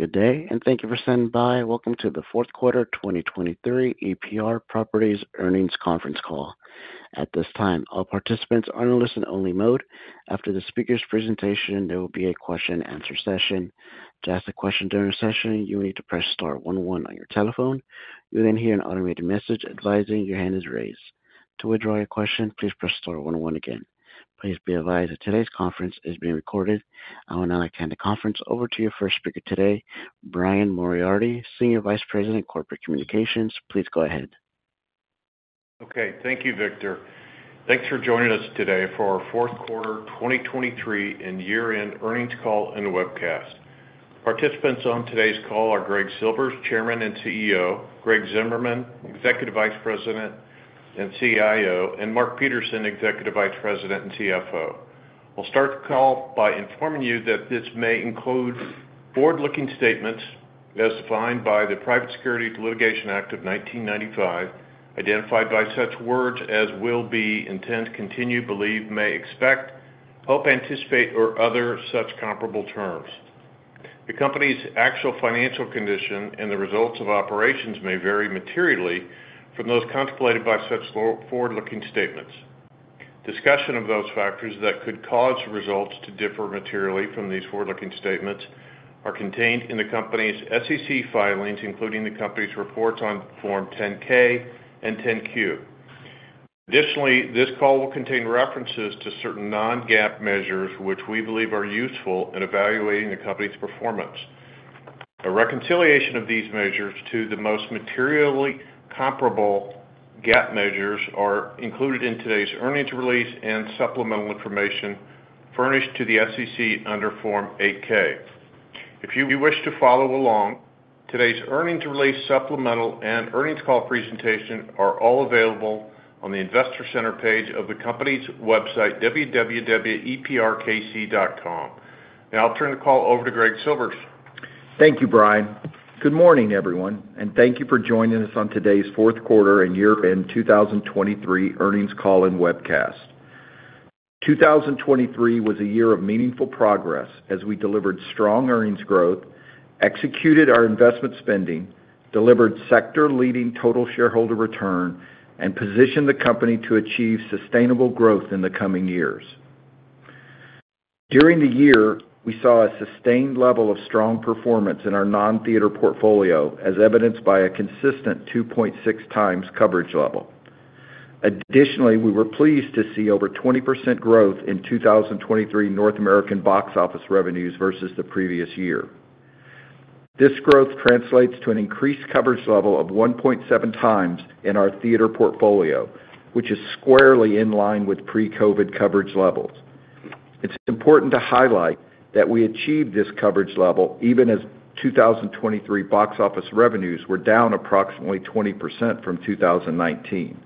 Good day, and thank you for standing by. Welcome to the fourth quarter 2023 EPR Properties earnings conference call. At this time, all participants are in a listen-only mode. After the speaker's presentation, there will be a question-and-answer session. To ask a question during the session, you will need to press star one one on your telephone. You will then hear an automated message advising that your hand is raised. To withdraw your question, please press star one one again. Please be advised that today's conference is being recorded. I will now hand the conference over to your first speaker today, Brian Moriarty, Senior Vice President, Corporate Communications. Please go ahead. Okay. Thank you, Victor. Thanks for joining us today for our fourth quarter 2023 and year-end earnings call and webcast. Participants on today's call are Greg Silvers, Chairman and CEO; Greg Zimmerman, Executive Vice President and CIO; and Mark Peterson, Executive Vice President and CFO. I'll start the call by informing you that this may include forward-looking statements as defined by the Private Securities Litigation Act of 1995, identified by such words as will be, intend, continue, believe, may expect, hope, anticipate, or other such comparable terms. The company's actual financial condition and the results of operations may vary materially from those contemplated by such forward-looking statements. Discussion of those factors that could cause results to differ materially from these forward-looking statements are contained in the company's SEC filings, including the company's reports on Form 10-K and 10-Q. Additionally, this call will contain references to certain non-GAAP measures, which we believe are useful in evaluating the company's performance. A reconciliation of these measures to the most materially comparable GAAP measures are included in today's earnings release and supplemental information furnished to the SEC under Form 8-K. If you wish to follow along, today's earnings release supplemental and earnings call presentation are all available on the Investor Center page of the company's website, www.eprkc.com. Now I'll turn the call over to Greg Silvers. Thank you, Brian. Good morning, everyone, and thank you for joining us on today's fourth quarter and year-end 2023 earnings call and webcast. 2023 was a year of meaningful progress as we delivered strong earnings growth, executed our investment spending, delivered sector-leading total shareholder return, and positioned the company to achieve sustainable growth in the coming years. During the year, we saw a sustained level of strong performance in our non-theater portfolio, as evidenced by a consistent 2.6x coverage level. Additionally, we were pleased to see over 20% growth in 2023 North American box office revenues versus the previous year. This growth translates to an increased coverage level of 1.7x in our theater portfolio, which is squarely in line with pre-COVID coverage levels. It's important to highlight that we achieved this coverage level even as 2023 box office revenues were down approximately 20% from 2019.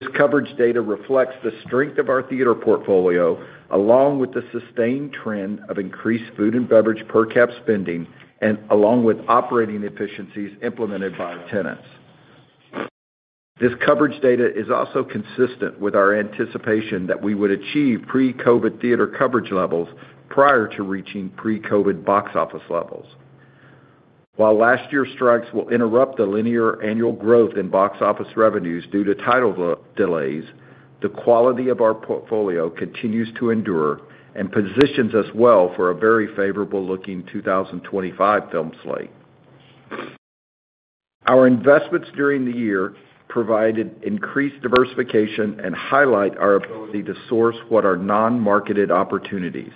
This coverage data reflects the strength of our theater portfolio, along with the sustained trend of increased food and beverage per cap spending, and along with operating efficiencies implemented by our tenants. This coverage data is also consistent with our anticipation that we would achieve pre-COVID theater coverage levels prior to reaching pre-COVID box office levels. While last year's strikes will interrupt the linear annual growth in box office revenues due to title delays, the quality of our portfolio continues to endure and positions us well for a very favorable-looking 2025 film slate. Our investments during the year provided increased diversification and highlight our ability to source what are non-marketed opportunities.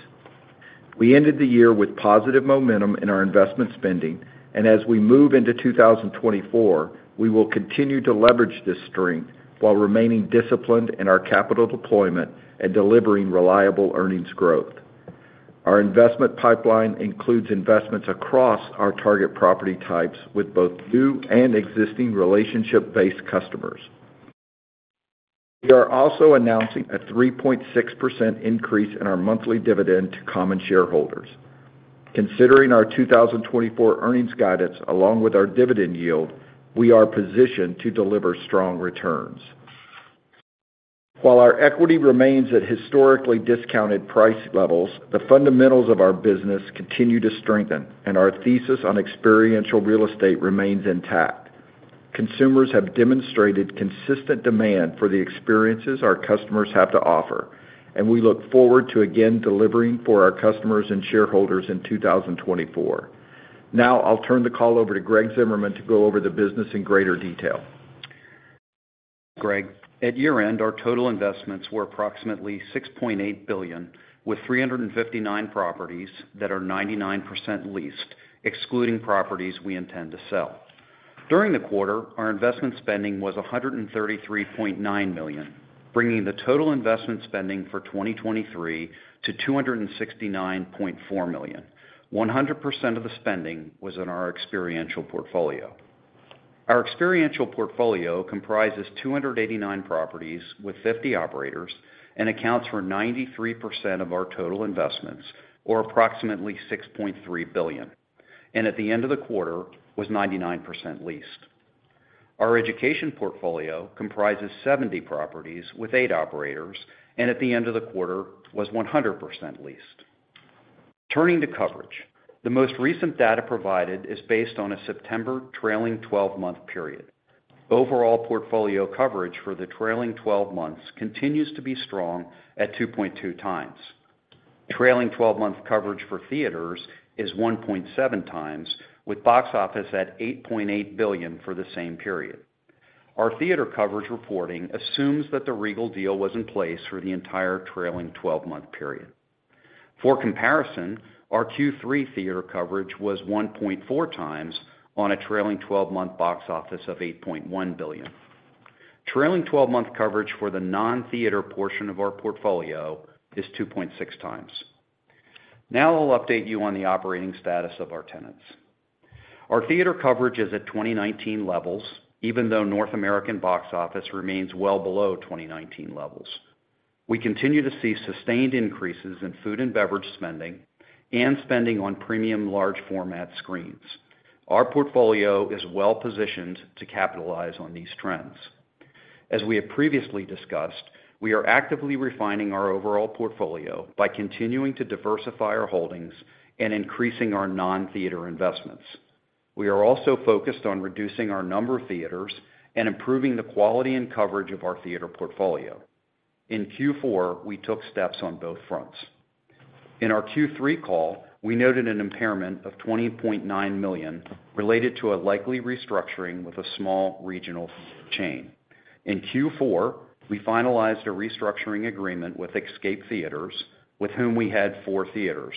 We ended the year with positive momentum in our investment spending, and as we move into 2024, we will continue to leverage this strength while remaining disciplined in our capital deployment and delivering reliable earnings growth. Our investment pipeline includes investments across our target property types with both new and existing relationship-based customers. We are also announcing a 3.6% increase in our monthly dividend to common shareholders. Considering our 2024 earnings guidance along with our dividend yield, we are positioned to deliver strong returns. While our equity remains at historically discounted price levels, the fundamentals of our business continue to strengthen, and our thesis on experiential real estate remains intact. Consumers have demonstrated consistent demand for the experiences our customers have to offer, and we look forward to again delivering for our customers and shareholders in 2024. Now I'll turn the call over to Greg Zimmerman to go over the business in greater detail. Greg, at year-end, our total investments were approximately $6.8 billion, with 359 properties that are 99% leased, excluding properties we intend to sell. During the quarter, our investment spending was $133.9 million, bringing the total investment spending for 2023 to $269.4 million. 100% of the spending was in our experiential portfolio. Our experiential portfolio comprises 289 properties with 50 operators and accounts for 93% of our total investments, or approximately $6.3 billion, and at the end of the quarter was 99% leased. Our education portfolio comprises 70 properties with eight operators and at the end of the quarter was 100% leased. Turning to coverage, the most recent data provided is based on a September trailing 12-month period. Overall portfolio coverage for the trailing 12 months continues to be strong at 2.2x. Trailing 12-month coverage for theaters is 1.7x, with box office at $8.8 billion for the same period. Our theater coverage reporting assumes that the Regal deal was in place for the entire trailing 12-month period. For comparison, our Q3 theater coverage was 1.4x on a trailing 12-month box office of $8.1 billion. Trailing 12-month coverage for the non-theater portion of our portfolio is 2.6x. Now I'll update you on the operating status of our tenants. Our theater coverage is at 2019 levels, even though North American box office remains well below 2019 levels. We continue to see sustained increases in food and beverage spending and spending on premium large-format screens. Our portfolio is well positioned to capitalize on these trends. As we have previously discussed, we are actively refining our overall portfolio by continuing to diversify our holdings and increasing our non-theater investments. We are also focused on reducing our number of theaters and improving the quality and coverage of our theater portfolio. In Q4, we took steps on both fronts. In our Q3 call, we noted an impairment of $20.9 million related to a likely restructuring with a small regional chain. In Q4, we finalized a restructuring agreement with Xscape Theatres, with whom we had four theaters.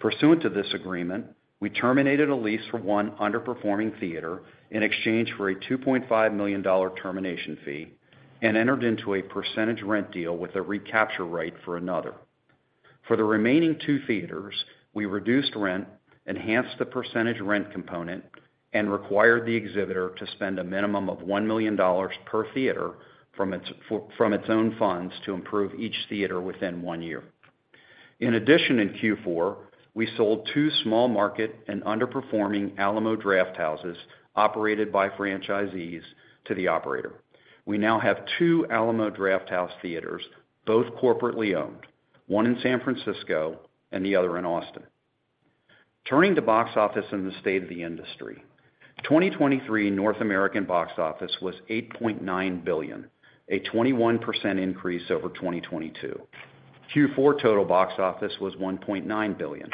Pursuant to this agreement, we terminated a lease for one underperforming theater in exchange for a $2.5 million termination fee and entered into a percentage rent deal with a recapture right for another. For the remaining two theaters, we reduced rent, enhanced the percentage rent component, and required the exhibitor to spend a minimum of $1 million per theater from its own funds to improve each theater within one year. In addition, in Q4, we sold two small-market and underperforming Alamo Drafthouses operated by franchisees to the operator. We now have two Alamo Drafthouse theaters, both corporately owned, one in San Francisco and the other in Austin. Turning to box office in the state of the industry, 2023 North American box office was $8.9 billion, a 21% increase over 2022. Q4 total box office was $1.9 billion.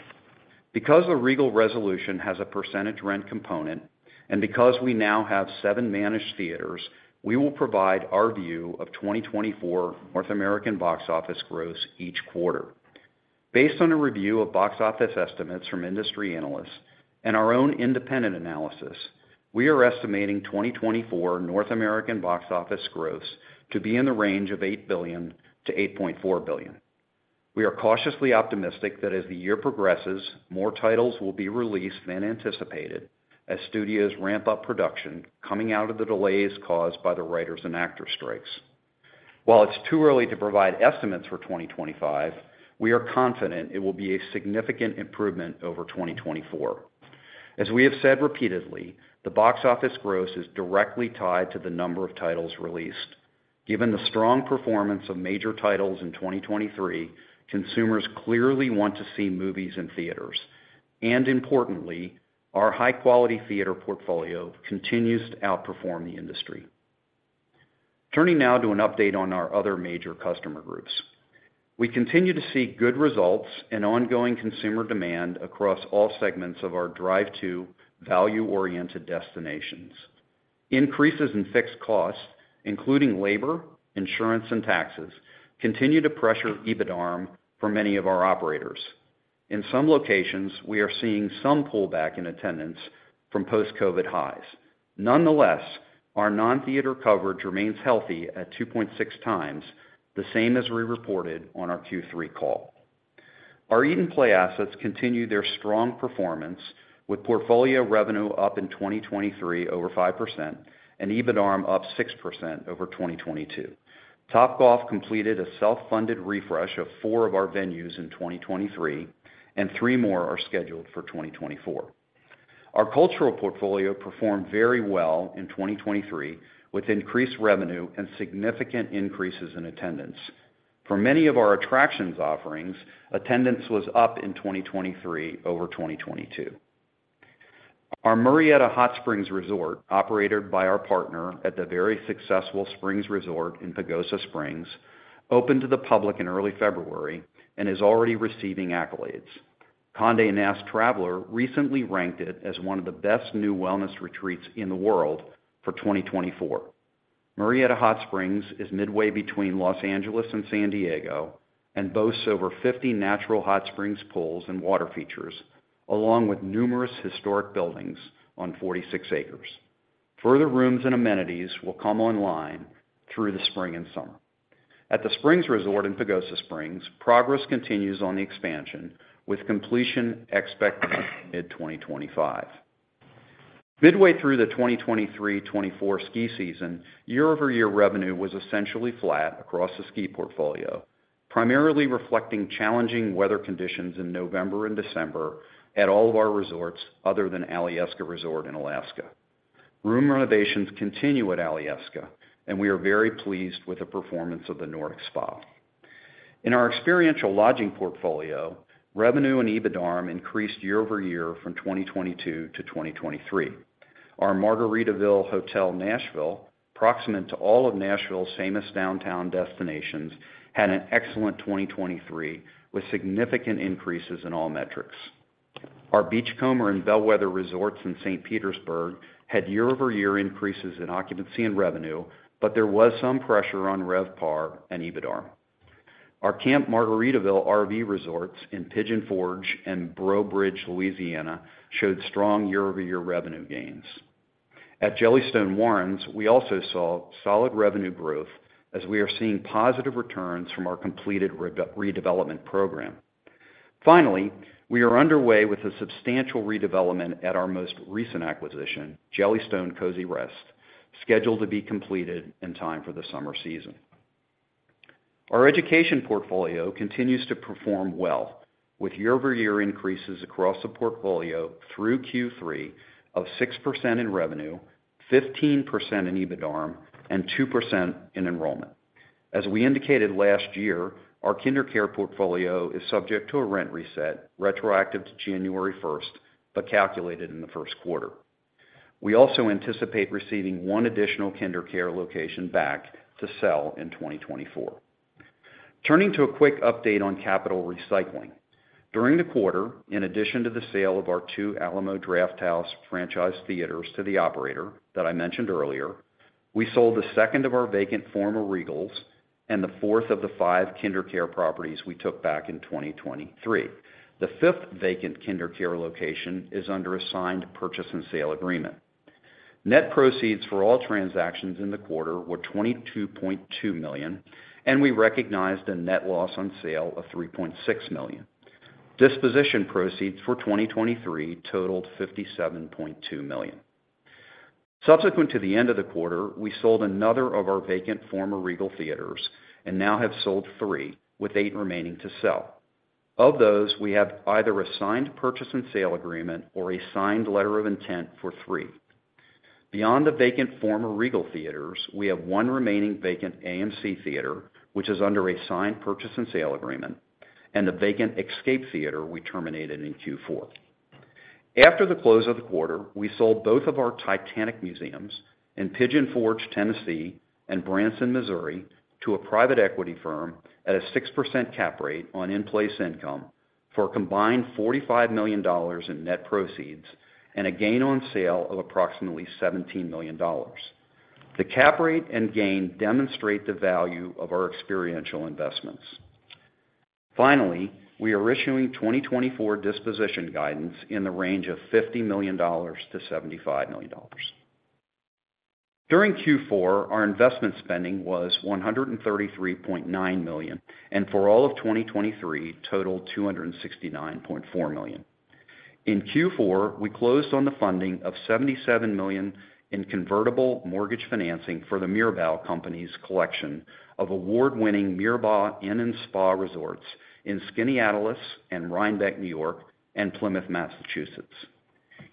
Because the Regal resolution has a percentage rent component and because we now have seven managed theaters, we will provide our view of 2024 North American box office growth each quarter. Based on a review of box office estimates from industry analysts and our own independent analysis, we are estimating 2024 North American box office growth to be in the range of $8 billion-$8.4 billion. We are cautiously optimistic that as the year progresses, more titles will be released than anticipated as studios ramp up production coming out of the delays caused by the writers' and actors' strikes. While it's too early to provide estimates for 2025, we are confident it will be a significant improvement over 2024. As we have said repeatedly, the box office growth is directly tied to the number of titles released. Given the strong performance of major titles in 2023, consumers clearly want to see movies in theaters. Importantly, our high-quality theater portfolio continues to outperform the industry. Turning now to an update on our other major customer groups. We continue to see good results and ongoing consumer demand across all segments of our drive-to value-oriented destinations. Increases in fixed costs, including labor, insurance, and taxes, continue to pressure EBITDARM for many of our operators. In some locations, we are seeing some pullback in attendance from post-COVID highs. Nonetheless, our non-theater coverage remains healthy at 2.6x, the same as we reported on our Q3 call. Our eat-and-play assets continue their strong performance, with portfolio revenue up in 2023 over 5% and EBITDARM up 6% over 2022. Topgolf completed a self-funded refresh of four of our venues in 2023, and three more are scheduled for 2024. Our cultural portfolio performed very well in 2023 with increased revenue and significant increases in attendance. For many of our attractions offerings, attendance was up in 2023 over 2022. Our Murrieta Hot Springs Resort, operated by our partner at the very successful The Springs Resort in Pagosa Springs, opened to the public in early February and is already receiving accolades. Condé Nast Traveler recently ranked it as one of the best new wellness retreats in the world for 2024. Murrieta Hot Springs is midway between Los Angeles and San Diego and boasts over 50 natural hot springs pools and water features, along with numerous historic buildings on 46 acres. Further rooms and amenities will come online through the spring and summer. At The Springs Resort in Pagosa Springs, progress continues on the expansion, with completion expected mid-2025. Midway through the 2023-2024 ski season, year-over-year revenue was essentially flat across the ski portfolio, primarily reflecting challenging weather conditions in November and December at all of our resorts other than Alyeska Resort in Alaska. Room renovations continue at Alyeska, and we are very pleased with the performance of the Nordic Spa. In our experiential lodging portfolio, revenue and EBITDARM increased year-over-year from 2022 to 2023. Our Margaritaville Hotel Nashville, proximate to all of Nashville's famous downtown destinations, had an excellent 2023 with significant increases in all metrics. Our Beachcomber and Bellwether Resorts in St. Petersburg had year-over-year increases in occupancy and revenue, but there was some pressure on RevPAR and EBITDARM. Our Camp Margaritaville RV Resorts in Pigeon Forge and Breaux Bridge, Louisiana, showed strong year-over-year revenue gains. At Jellystone Warrens, we also saw solid revenue growth as we are seeing positive returns from our completed redevelopment program. Finally, we are underway with a substantial redevelopment at our most recent acquisition, Jellystone Kozy Rest, scheduled to be completed in time for the summer season. Our education portfolio continues to perform well, with year-over-year increases across the portfolio through Q3 of 6% in revenue, 15% in EBITDARM, and 2% in enrollment. As we indicated last year, our KinderCare portfolio is subject to a rent reset retroactive to January 1st, but calculated in the first quarter. We also anticipate receiving one additional KinderCare location back to sell in 2024. Turning to a quick update on capital recycling. During the quarter, in addition to the sale of our two Alamo Drafthouse franchise theaters to the operator that I mentioned earlier, we sold the second of our vacant former Regal and the fourth of the five KinderCare properties we took back in 2023. The fifth vacant KinderCare location is under a signed purchase and sale agreement. Net proceeds for all transactions in the quarter were $22.2 million, and we recognized a net loss on sale of $3.6 million. Disposition proceeds for 2023 totaled $57.2 million. Subsequent to the end of the quarter, we sold another of our vacant former Regal theaters and now have sold three, with eight remaining to sell. Of those, we have either a signed purchase and sale agreement or a signed letter of intent for three. Beyond the vacant former Regal theaters, we have one remaining vacant AMC theater, which is under a signed purchase and sale agreement, and the vacant Xscape theater we terminated in Q4. After the close of the quarter, we sold both of our Titanic Museums in Pigeon Forge, Tennessee, and Branson, Missouri, to a private equity firm at a 6% cap rate on in-place income for a combined $45 million in net proceeds and a gain on sale of approximately $17 million. The cap rate and gain demonstrate the value of our experiential investments. Finally, we are issuing 2024 disposition guidance in the range of $50 million-$75 million. During Q4, our investment spending was $133.9 million and for all of 2023 totaled $269.4 million. In Q4, we closed on the funding of $77 million in convertible mortgage financing for the Mirbeau Companies' collection of award-winning Mirbeau Inn & Spa Resorts in Skaneateles and Rhinebeck, New York, and Plymouth, Massachusetts.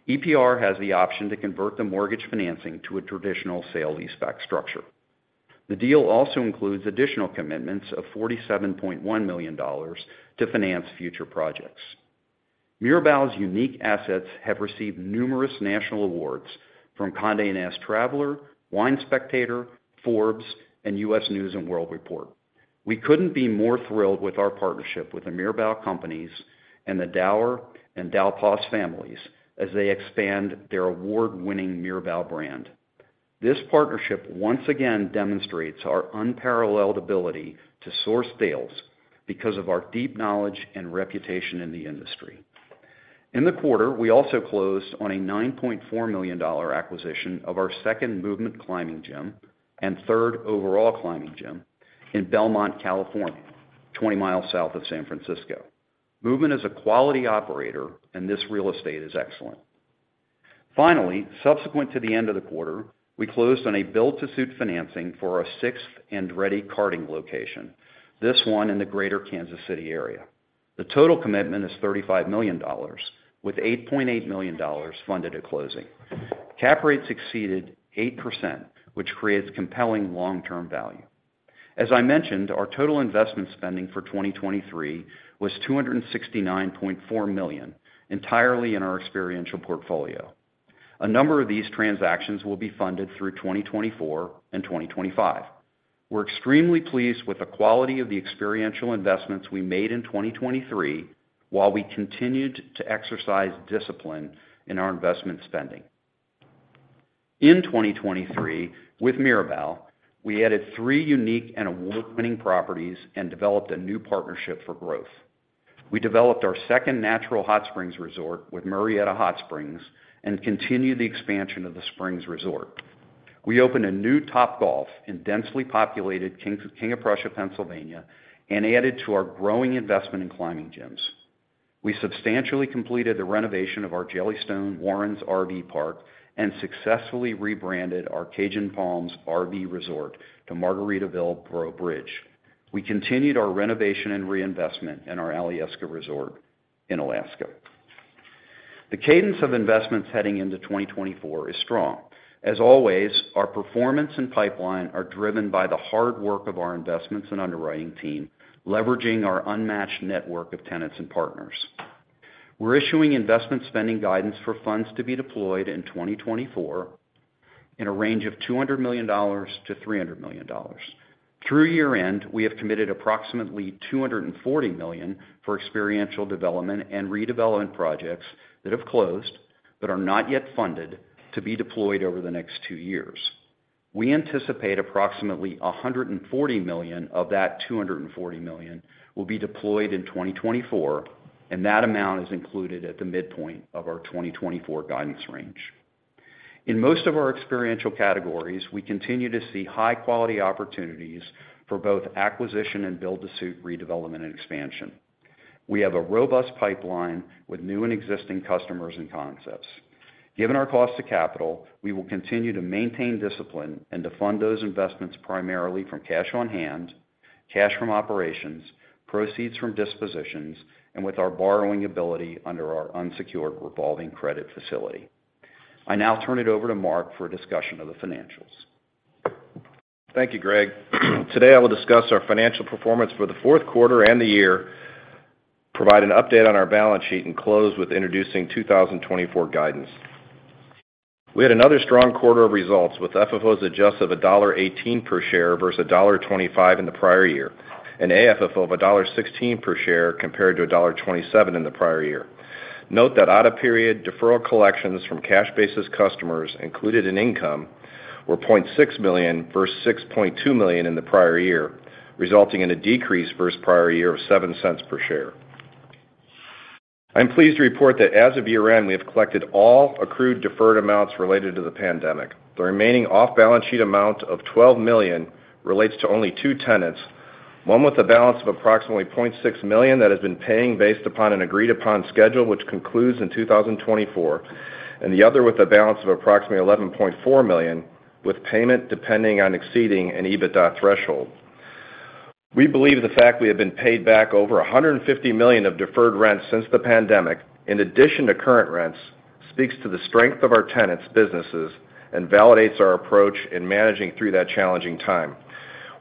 EPR has the option to convert the mortgage financing to a traditional sale-leaseback structure. The deal also includes additional commitments of $47.1 million to finance future projects. Mirbeau's unique assets have received numerous national awards from Condé Nast Traveler, Wine Spectator, Forbes, and U.S. News & World Report. We couldn't be more thrilled with our partnership with the Mirbeau Companies and the Dower and Dal Pos families as they expand their award-winning Mirbeau brand. This partnership once again demonstrates our unparalleled ability to source sales because of our deep knowledge and reputation in the industry. In the quarter, we also closed on a $9.4 million acquisition of our second Movement Climbing Gym and third overall climbing gym in Belmont, California, 20 mi south of San Francisco. Movement is a quality operator, and this real estate is excellent. Finally, subsequent to the end of the quarter, we closed on a build-to-suit financing for our sixth Andretti karting location, this one in the greater Kansas City area. The total commitment is $35 million, with $8.8 million funded at closing. Cap rate exceeded 8%, which creates compelling long-term value. As I mentioned, our total investment spending for 2023 was $269.4 million, entirely in our experiential portfolio. A number of these transactions will be funded through 2024 and 2025. We're extremely pleased with the quality of the experiential investments we made in 2023 while we continued to exercise discipline in our investment spending. In 2023, with Mirbeau, we added three unique and award-winning properties and developed a new partnership for growth. We developed our second natural hot springs resort with Murrieta Hot Springs and continued the expansion of The Springs Resort. We opened a new Topgolf in densely populated King of Prussia, Pennsylvania, and added to our growing investment in climbing gyms. We substantially completed the renovation of our Jellystone Warrens RV Park and successfully rebranded our Cajun Palms RV Resort to Margaritaville Breaux Bridge. We continued our renovation and reinvestment in our Alyeska Resort in Alaska. The cadence of investments heading into 2024 is strong. As always, our performance and pipeline are driven by the hard work of our investments and underwriting team, leveraging our unmatched network of tenants and partners. We're issuing investment spending guidance for funds to be deployed in 2024 in a range of $200 million-$300 million. Through year-end, we have committed approximately $240 million for experiential development and redevelopment projects that have closed but are not yet funded to be deployed over the next two years. We anticipate approximately $140 million of that $240 million will be deployed in 2024, and that amount is included at the midpoint of our 2024 guidance range. In most of our experiential categories, we continue to see high-quality opportunities for both acquisition and build-to-suit redevelopment and expansion. We have a robust pipeline with new and existing customers and concepts. Given our cost to capital, we will continue to maintain discipline and to fund those investments primarily from cash on hand, cash from operations, proceeds from dispositions, and with our borrowing ability under our unsecured revolving credit facility. I now turn it over to Mark for a discussion of the financials. Thank you, Greg. Today, I will discuss our financial performance for the fourth quarter and the year, provide an update on our balance sheet, and close with introducing 2024 guidance. We had another strong quarter of results with FFO as adjusted of $1.18 per share versus $1.25 in the prior year and AFFO of $1.16 per share compared to $1.27 in the prior year. Note that out-of-period deferral collections from cash-basis customers, including in income, were $0.6 million versus $6.2 million in the prior year, resulting in a decrease versus prior year of $0.07 per share. I'm pleased to report that as of year-end, we have collected all accrued deferred amounts related to the pandemic. The remaining off-balance sheet amount of $12 million relates to only two tenants, one with a balance of approximately $0.6 million that has been paying based upon an agreed-upon schedule which concludes in 2024, and the other with a balance of approximately $11.4 million with payment depending on exceeding an EBITDA threshold. We believe the fact we have been paid back over $150 million of deferred rents since the pandemic, in addition to current rents, speaks to the strength of our tenants' businesses and validates our approach in managing through that challenging time.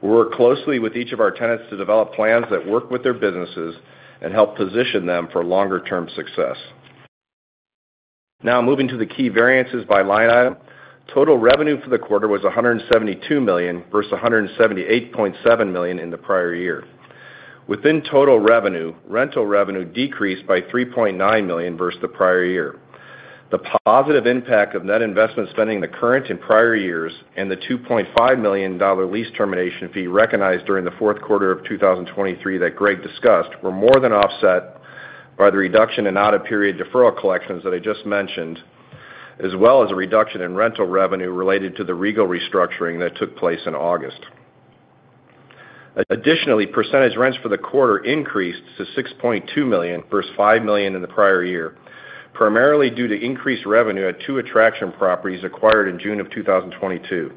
We work closely with each of our tenants to develop plans that work with their businesses and help position them for longer-term success. Now, moving to the key variances by line item, total revenue for the quarter was $172 million versus $178.7 million in the prior year. Within total revenue, rental revenue decreased by $3.9 million versus the prior year. The positive impact of net investment spending in the current and prior years and the $2.5 million lease termination fee recognized during the fourth quarter of 2023 that Greg discussed were more than offset by the reduction in out-of-period deferral collections that I just mentioned, as well as a reduction in rental revenue related to the Regal restructuring that took place in August. Additionally, percentage rents for the quarter increased to $6.2 million versus $5 million in the prior year, primarily due to increased revenue at two attraction properties acquired in June of 2022.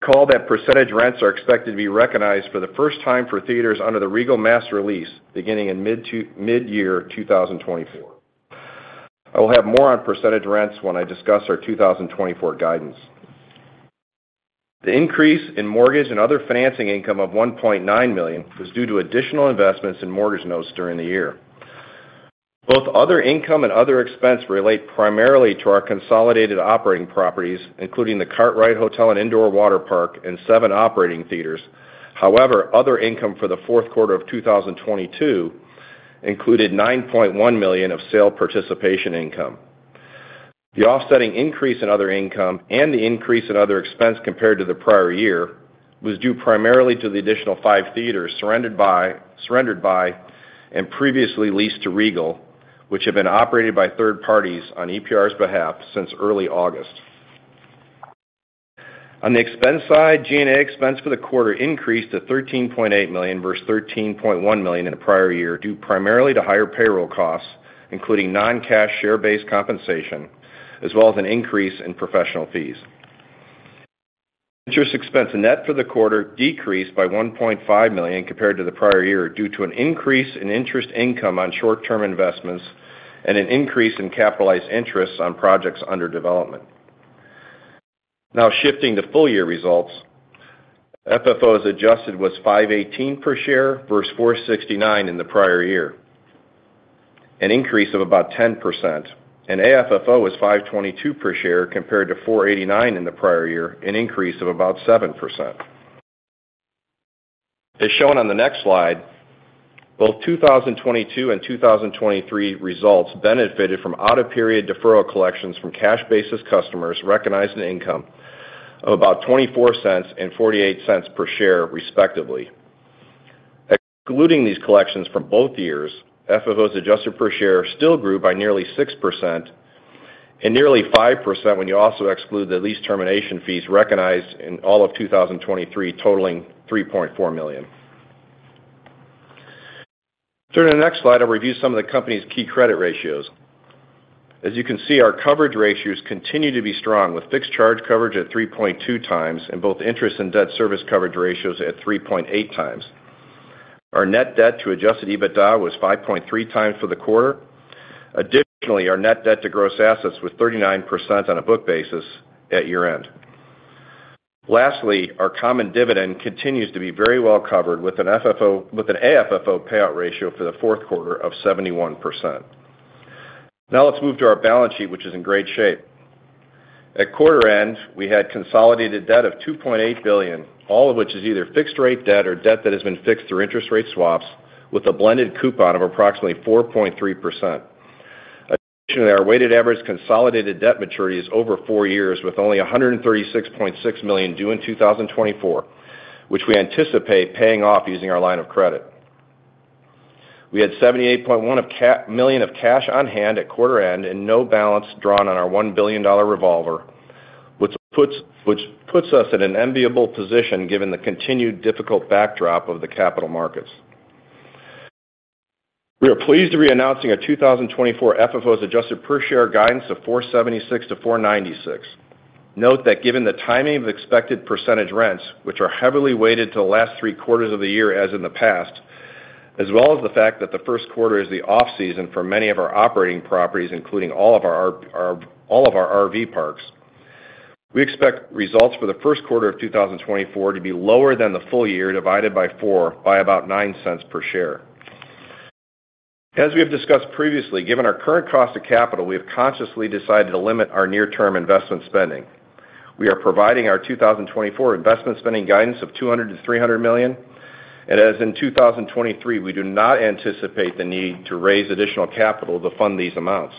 Recall that percentage rents are expected to be recognized for the first time for theaters under the Regal master lease beginning in mid-year 2024. I will have more on percentage rents when I discuss our 2024 guidance. The increase in mortgage and other financing income of $1.9 million was due to additional investments in mortgage notes during the year. Both other income and other expense relate primarily to our consolidated operating properties, including the Kartrite Hotel and Indoor Water Park and seven operating theaters. However, other income for the fourth quarter of 2022 included $9.1 million of sale participation income. The offsetting increase in other income and the increase in other expense compared to the prior year was due primarily to the additional five theaters surrendered by and previously leased to Regal, which have been operated by third parties on EPR's behalf since early August. On the expense side, G&A expense for the quarter increased to $13.8 million versus $13.1 million in the prior year due primarily to higher payroll costs, including non-cash share-based compensation, as well as an increase in professional fees. Interest expense net for the quarter decreased by $1.5 million compared to the prior year due to an increase in interest income on short-term investments and an increase in capitalized interests on projects under development. Now, shifting to full-year results, FFO as adjusted was $5.18 per share versus $4.69 in the prior year, an increase of about 10%. And AFFO was $5.22 per share compared to $4.89 in the prior year, an increase of about 7%. As shown on the next slide, both 2022 and 2023 results benefited from out-of-period deferral collections from cash-basis customers recognized an income of about $0.24 and $0.48 per share, respectively. Excluding these collections from both years, FFO as adjusted per share still grew by nearly 6% and nearly 5% when you also exclude the lease termination fees recognized in all of 2023, totaling $3.4 million. During the next slide, I'll review some of the company's key credit ratios. As you can see, our coverage ratios continue to be strong, with fixed charge coverage at 3.2x and both interest and debt service coverage ratios at 3.8x. Our net debt to adjusted EBITDA was 5.3x for the quarter. Additionally, our net debt to gross assets was 39% on a book basis at year-end. Lastly, our common dividend continues to be very well covered with an AFFO payout ratio for the fourth quarter of 71%. Now, let's move to our balance sheet, which is in great shape. At quarter-end, we had consolidated debt of $2.8 billion, all of which is either fixed-rate debt or debt that has been fixed through interest-rate swaps with a blended coupon of approximately 4.3%. Additionally, our weighted average consolidated debt maturity is over four years, with only $136.6 million due in 2024, which we anticipate paying off using our line of credit. We had $78.1 million of cash on hand at quarter-end and no balance drawn on our $1 billion revolver, which puts us in an enviable position given the continued difficult backdrop of the capital markets. We are pleased to be announcing our 2024 FFO as adjusted per share guidance of $4.76-$4.96. Note that given the timing of expected percentage rents, which are heavily weighted to the last three quarters of the year as in the past, as well as the fact that the first quarter is the off-season for many of our operating properties, including all of our RV parks, we expect results for the first quarter of 2024 to be lower than the full year divided by four by about $0.09 per share. As we have discussed previously, given our current cost of capital, we have consciously decided to limit our near-term investment spending. We are providing our 2024 investment spending guidance of $200 million-$300 million, and as in 2023, we do not anticipate the need to raise additional capital to fund these amounts.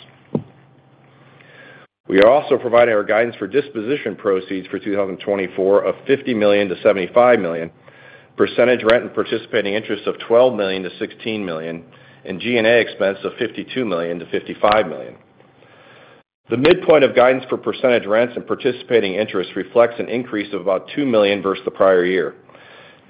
We are also providing our guidance for disposition proceeds for 2024 of $50 million-$75 million, percentage rent and participating interest of $12 million-$16 million, and G&A expense of $52 million-$55 million. The midpoint of guidance for percentage rents and participating interest reflects an increase of about $2 million versus the prior year.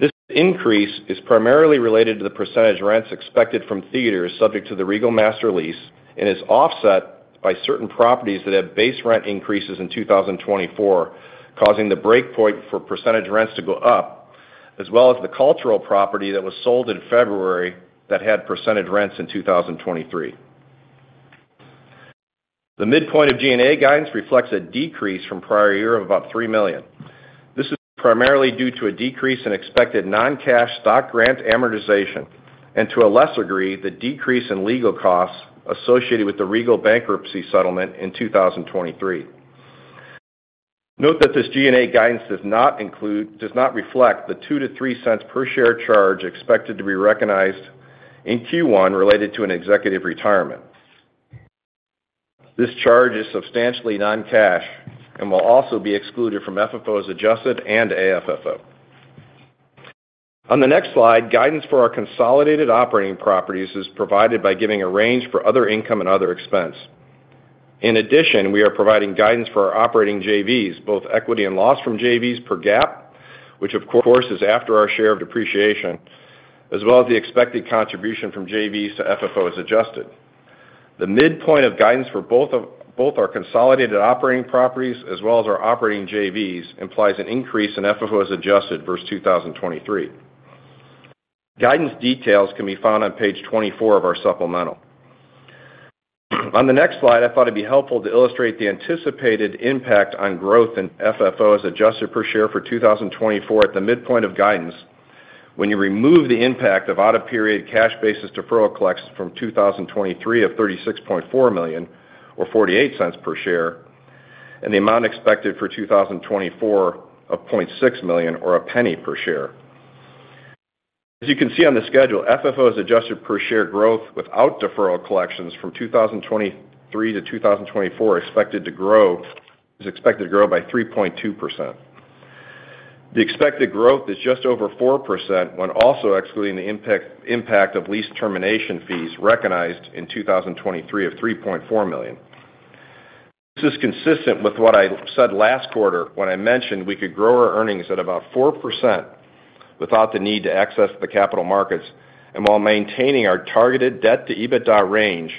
This increase is primarily related to the percentage rents expected from theaters subject to the Regal master lease and is offset by certain properties that have base rent increases in 2024, causing the breakpoint for percentage rents to go up, as well as the cultural property that was sold in February that had percentage rents in 2023. The midpoint of G&A guidance reflects a decrease from prior year of about $3 million. This is primarily due to a decrease in expected non-cash stock grant amortization and, to a lesser degree, the decrease in legal costs associated with the Regal bankruptcy settlement in 2023. Note that this G&A guidance does not reflect the $0.02-$0.03 per share charge expected to be recognized in Q1 related to an executive retirement. This charge is substantially non-cash and will also be excluded from FFO as adjusted and AFFO. On the next slide, guidance for our consolidated operating properties is provided by giving a range for other income and other expense. In addition, we are providing guidance for our operating JVs, both equity and loss from JVs per GAAP, which, of course, is after our share of depreciation, as well as the expected contribution from JVs to FFO as adjusted. The midpoint of guidance for both our consolidated operating properties as well as our operating JVs implies an increase in FFO as adjusted versus 2023. Guidance details can be found on Page 24 of our supplemental. On the next slide, I thought it'd be helpful to illustrate the anticipated impact on growth in FFO as adjusted per share for 2024 at the midpoint of guidance when you remove the impact of out-of-period cash-basis deferral collections from 2023 of $36.4 million or $0.48 per share and the amount expected for 2024 of $0.6 million or $0.01 per share. As you can see on the schedule, FFO as adjusted per share growth without deferral collections from 2023 to 2024 is expected to grow by 3.2%. The expected growth is just over 4% when also excluding the impact of lease termination fees recognized in 2023 of $3.4 million. This is consistent with what I said last quarter when I mentioned we could grow our earnings at about 4% without the need to access the capital markets and while maintaining our targeted debt to EBITDA range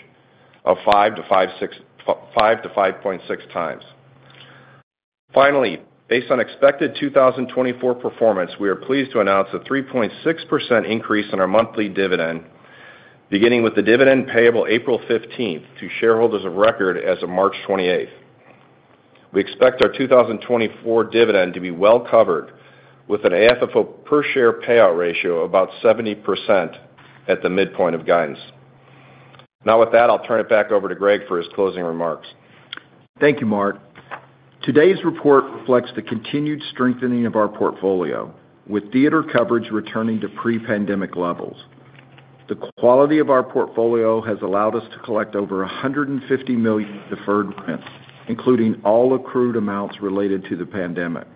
of 5x-5.6x. Finally, based on expected 2024 performance, we are pleased to announce a 3.6% increase in our monthly dividend, beginning with the dividend payable April 15th to shareholders of record as of March 28th. We expect our 2024 dividend to be well covered with an AFFO per share payout ratio of about 70% at the midpoint of guidance. Now, with that, I'll turn it back over to Greg for his closing remarks. Thank you, Mark. Today's report reflects the continued strengthening of our portfolio, with theater coverage returning to pre-pandemic levels. The quality of our portfolio has allowed us to collect over $150 million deferred rents, including all accrued amounts related to the pandemic.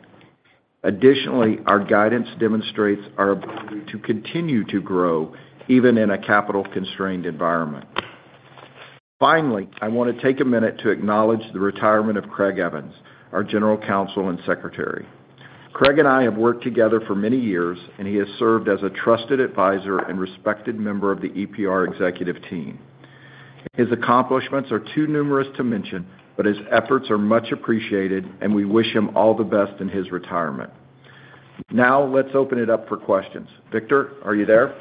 Additionally, our guidance demonstrates our ability to continue to grow even in a capital-constrained environment. Finally, I want to take a minute to acknowledge the retirement of Craig Evans, our General Counsel and Secretary. Craig and I have worked together for many years, and he has served as a trusted advisor and respected member of the EPR executive team. His accomplishments are too numerous to mention, but his efforts are much appreciated, and we wish him all the best in his retirement. Now, let's open it up for questions. Victor, are you there?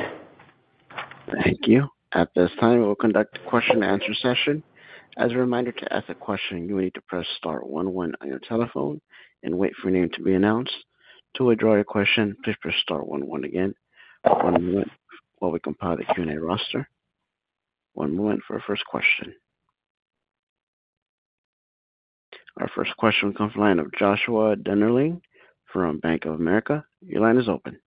Thank you. At this time, we will conduct a question-and-answer session. As a reminder, to ask a question, you will need to press star one one on your telephone and wait for your name to be announced. To withdraw your question, please press star one one again. One moment while we compile the Q&A roster. One moment for our first question. Our first question will come from the line of Joshua Dennerlein from Bank of America. Your line is open.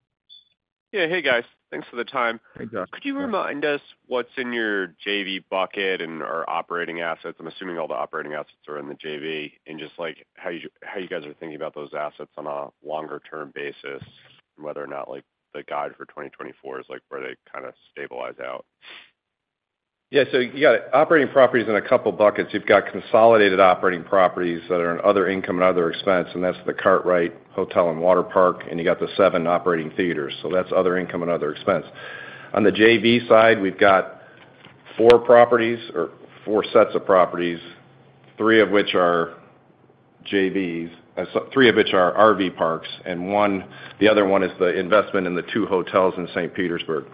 Yeah. Hey, guys. Thanks for the time. Hey, Josh. Could you remind us what's in your JV bucket and our operating assets? I'm assuming all the operating assets are in the JV, and just how you guys are thinking about those assets on a longer-term basis and whether or not the guide for 2024 is where they kind of stabilize out? Yeah. So you got operating properties in a couple of buckets. You've got consolidated operating properties that are in other income and other expense, and that's the Kartrite Hotel and Water Park, and you got the seven operating theaters. So that's other income and other expense. On the JV side, we've got four properties or four sets of properties, three of which are JVs, three of which are RV parks, and the other one is the investment in the two hotels in St. Petersburg.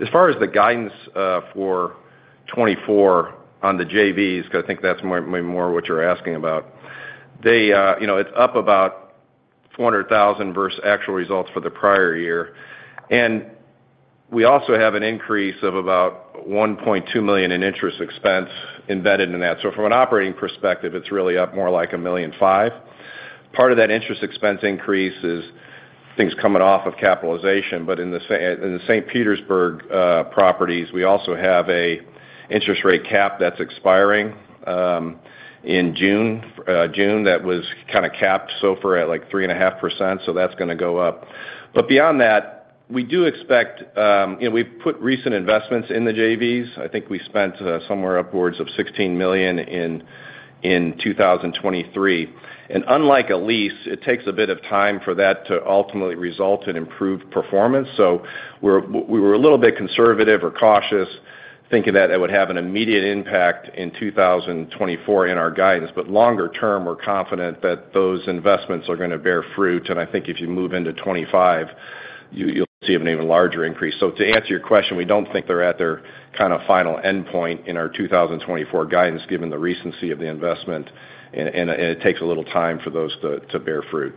As far as the guidance for 2024 on the JVs, because I think that's maybe more what you're asking about, it's up about $400,000 versus actual results for the prior year. And we also have an increase of about $1.2 million in interest expense embedded in that. So from an operating perspective, it's really up more like $1.5 million. Part of that interest expense increase is things coming off of capitalization. But in the St. Petersburg properties, we also have an interest rate cap that's expiring in June. June that was kind of capped so far at 3.5%, so that's going to go up. But beyond that, we do expect we've put recent investments in the JVs. I think we spent somewhere upwards of $16 million in 2023. And unlike a lease, it takes a bit of time for that to ultimately result in improved performance. So we were a little bit conservative or cautious, thinking that it would have an immediate impact in 2024 in our guidance. But longer term, we're confident that those investments are going to bear fruit. And I think if you move into 2025, you'll see an even larger increase. To answer your question, we don't think they're at their kind of final endpoint in our 2024 guidance, given the recency of the investment, and it takes a little time for those to bear fruit.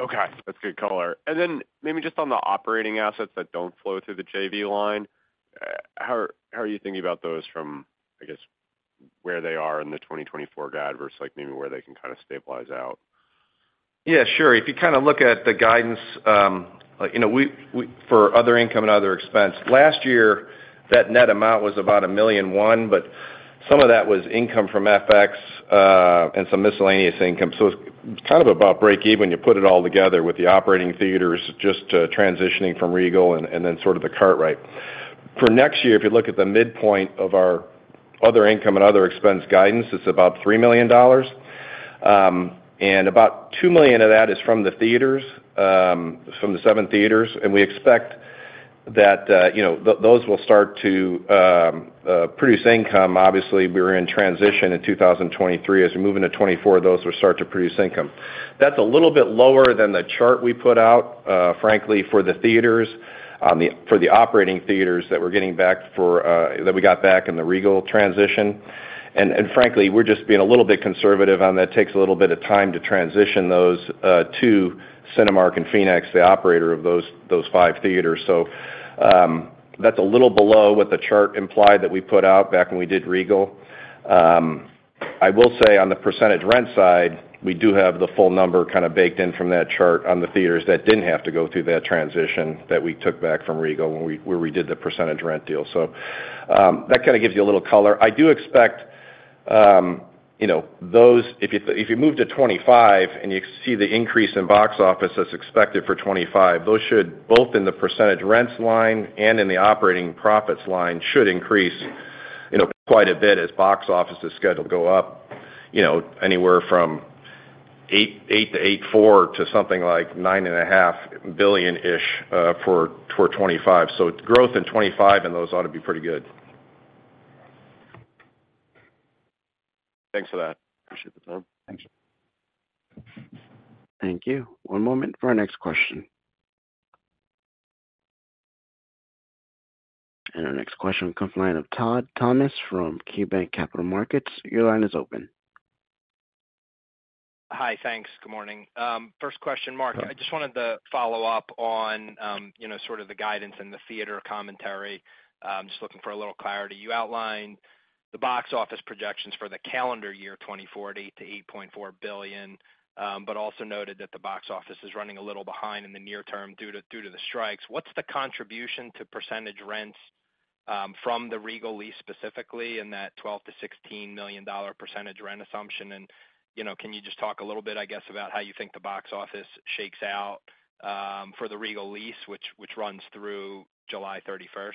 Okay. That's a good color. And then maybe just on the operating assets that don't flow through the JV line, how are you thinking about those from, I guess, where they are in the 2024 guide versus maybe where they can kind of stabilize out? Yeah. Sure. If you kind of look at the guidance for other income and other expense, last year, that net amount was about $1.1 million, but some of that was income from FX and some miscellaneous income. So it's kind of about break-even when you put it all together with the operating theaters, just transitioning from Regal and then sort of the Kartrite. For next year, if you look at the midpoint of our other income and other expense guidance, it's about $3 million. And about $2 million of that is from the theaters, from the seven theaters. And we expect that those will start to produce income. Obviously, we were in transition in 2023. As we move into 2024, those will start to produce income. That's a little bit lower than the chart we put out, frankly, for the theaters, for the operating theaters that we're getting back for that we got back in the Regal transition. And frankly, we're just being a little bit conservative on that. It takes a little bit of time to transition those to Cinemark and Phoenix, the operator of those five theaters. So that's a little below what the chart implied that we put out back when we did Regal. I will say, on the percentage rent side, we do have the full number kind of baked in from that chart on the theaters that didn't have to go through that transition that we took back from Regal where we did the percentage rent deal. So that kind of gives you a little color. I do expect those if you move to 2025 and you see the increase in box office that's expected for 2025, those should both in the percentage rents line and in the operating profits line should increase quite a bit as box office is scheduled to go up, anywhere from $8 billion-$8.4 billion to something like $9.5 billion-ish for 2025. So growth in 2025 and those ought to be pretty good. Thanks for that. Appreciate the time. Thank you. Thank you. One moment for our next question. Our next question will come from the line of Todd Thomas from KeyBanc Capital Markets. Your line is open. Hi. Thanks. Good morning. First question, Mark. I just wanted to follow up on sort of the guidance and the theater commentary, just looking for a little clarity. You outlined the box office projections for the calendar year 2024 to $8.4 billion, but also noted that the box office is running a little behind in the near term due to the strikes. What's the contribution to percentage rents from the Regal lease specifically and that $12 million-$16 million percentage rent assumption? And can you just talk a little bit, I guess, about how you think the box office shakes out for the Regal lease, which runs through July 31st?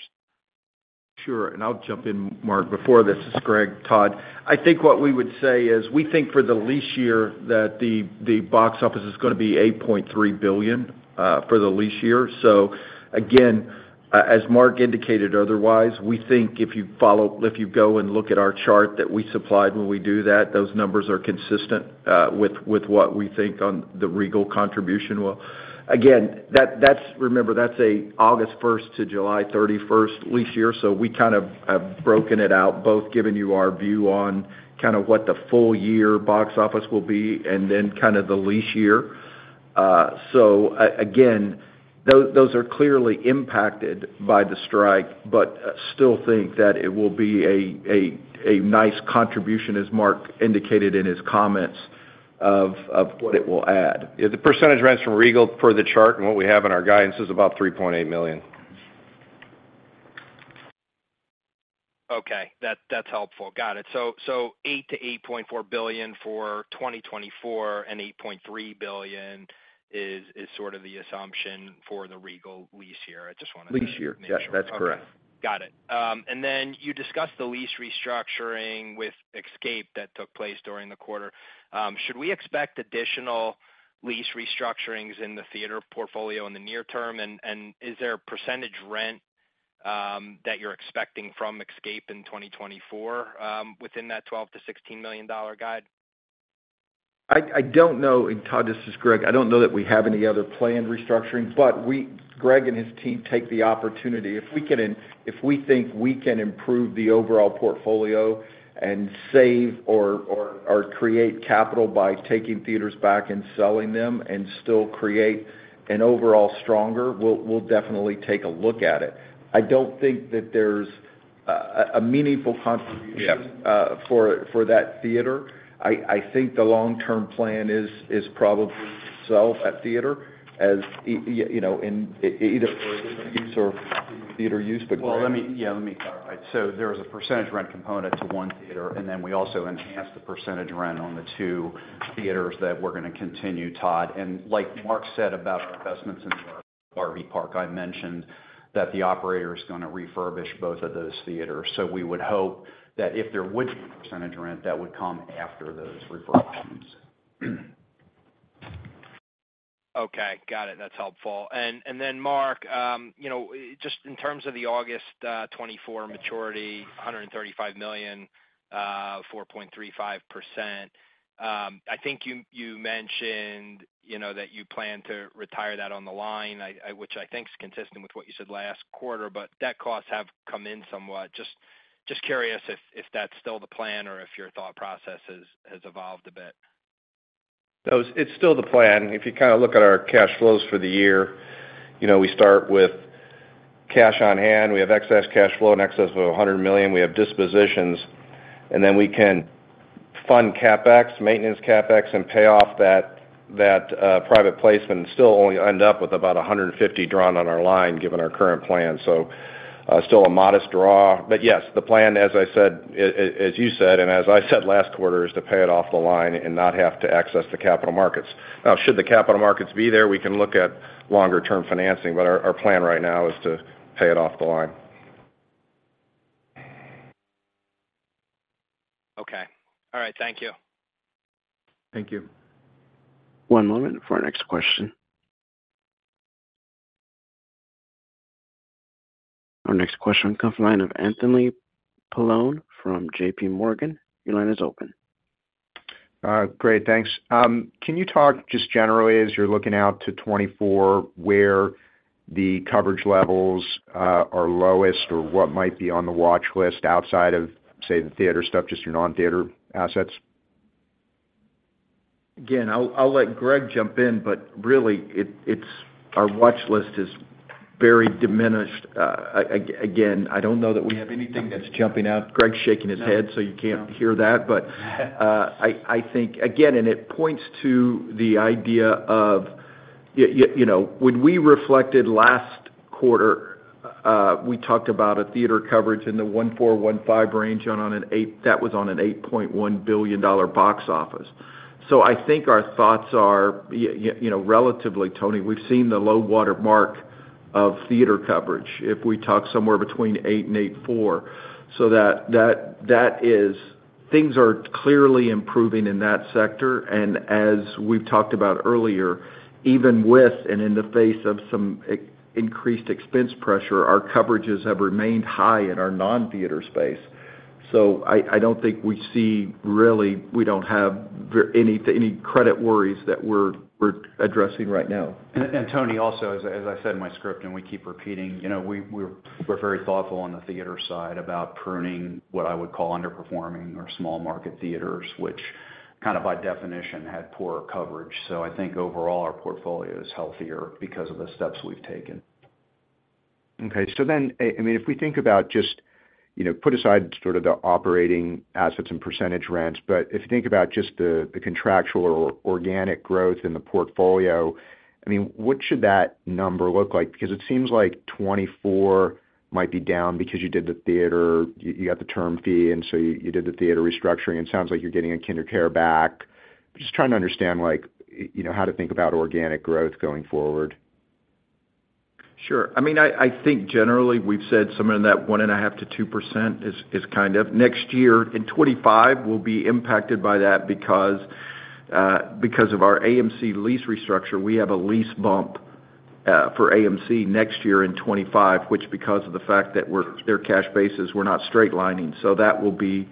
Sure. And I'll jump in, Mark. Before this, this is Greg, Todd. I think what we would say is we think for the lease year that the box office is going to be $8.3 billion for the lease year. So again, as Mark indicated otherwise, we think if you go and look at our chart that we supplied when we do that, those numbers are consistent with what we think on the Regal contribution will. Again, remember, that's August 1st to July 31st lease year. So we kind of have broken it out, both giving you our view on kind of what the full year box office will be and then kind of the lease year. So again, those are clearly impacted by the strike, but still think that it will be a nice contribution, as Mark indicated in his comments, of what it will add. Yeah. The percentage rents from Regal per the chart and what we have in our guidance is about $3.8 million. Okay. That's helpful. Got it. So $8 billion-$8.4 billion for 2024 and $8.3 billion is sort of the assumption for the Regal lease year. I just wanted to make sure. Lease year. Yeah. That's correct. Got it. And then you discussed the lease restructuring with Xscape that took place during the quarter. Should we expect additional lease restructurings in the theater portfolio in the near term? And is there a percentage rent that you're expecting from Xscape in 2024 within that $12 million-$16 million guide? I don't know. And Todd, this is Greg. I don't know that we have any other planned restructuring, but Greg and his team take the opportunity. If we think we can improve the overall portfolio and save or create capital by taking theaters back and selling them and still create an overall stronger, we'll definitely take a look at it. I don't think that there's a meaningful contribution for that theater. I think the long-term plan is probably to sell that theater either for a different use or theater use, but Greg. Well, yeah. Let me clarify. So there is a percentage rent component to one theater, and then we also enhance the percentage rent on the two theaters that we're going to continue, Todd. And like Mark said about our investments in the RV park, I mentioned that the operator is going to refurbish both of those theaters. So we would hope that if there would be a percentage rent, that would come after those refurbishments. Okay. Got it. That's helpful. And then, Mark, just in terms of the August 2024 maturity, $135 million, 4.35%, I think you mentioned that you plan to retire that on the line, which I think is consistent with what you said last quarter, but debt costs have come in somewhat. Just curious if that's still the plan or if your thought process has evolved a bit. It's still the plan. If you kind of look at our cash flows for the year, we start with cash on hand. We have excess cash flow and excess of $100 million. We have dispositions. And then we can fund CapEx, maintenance CapEx, and pay off that private placement and still only end up with about $150 million drawn on our line, given our current plan. So still a modest draw. But yes, the plan, as you said, and as I said last quarter, is to pay it off the line and not have to access the capital markets. Now, should the capital markets be there, we can look at longer-term financing, but our plan right now is to pay it off the line. Okay. All right. Thank you. Thank you. One moment for our next question. Our next question will come from the line of Anthony Paolone from JP Morgan. Your line is open. Great. Thanks. Can you talk just generally, as you're looking out to 2024, where the coverage levels are lowest or what might be on the watchlist outside of, say, the theater stuff, just your non-theater assets? Again, I'll let Greg jump in, but really, our watchlist is very diminished. Again, I don't know that we have anything that's jumping out. Greg's shaking his head, so you can't hear that. But I think, again, and it points to the idea of when we reflected last quarter, we talked about a theater coverage in the 14-15 range on an eight that was on an $8.1 billion box office. So I think our thoughts are relatively, Tony, we've seen the low watermark of theater coverage if we talk somewhere between $8 billion and $8.4 billion. So things are clearly improving in that sector. And as we've talked about earlier, even with and in the face of some increased expense pressure, our coverages have remained high in our non-theater space. So I don't think we see really we don't have any credit worries that we're addressing right now. And Tony, also, as I said in my script and we keep repeating, we're very thoughtful on the theater side about pruning what I would call underperforming or small market theaters, which kind of by definition had poorer coverage. So I think overall, our portfolio is healthier because of the steps we've taken. Okay. So then, I mean, if we think about just put aside sort of the operating assets and percentage rents, but if you think about just the contractual or organic growth in the portfolio, I mean, what should that number look like? Because it seems like 2024 might be down because you did the theater. You got the term fee, and so you did the theater restructuring. It sounds like you're getting a KinderCare back. Just trying to understand how to think about organic growth going forward. Sure. I mean, I think generally, we've said somewhere in that 1.5%-2% is kind of next year and 2025 will be impacted by that because of our AMC lease restructure. We have a lease bump for AMC next year in 2025, which because of the fact that their cash basis, we're not straight-lining. So that will be